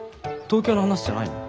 東京の話じゃないの？